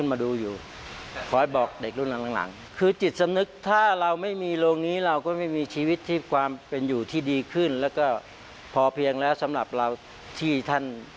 อาลูกจะเริ่มแพ้เป็นผู้หญิงคนที่อยากเกิดการที่จะผู้หญิงแข่งบิน